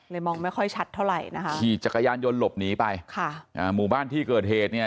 มองไม่ค่อยชัดเท่าไหร่นะคะขี่จักรยานยนต์หลบหนีไปค่ะอ่าหมู่บ้านที่เกิดเหตุเนี่ย